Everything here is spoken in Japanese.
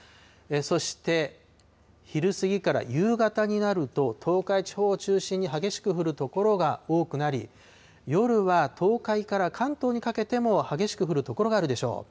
そして、昼過ぎから夕方になると、東海地方を中心に激しく降る所が多くなり、夜は東海から関東にかけても激しく降る所があるでしょう。